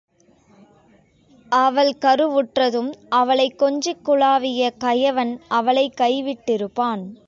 அவள் கருவுற்றதும், அவளைக் கொஞ்சிக்குலாவிய கயவன் அவளைக் கைவிட்டிருப்பான்.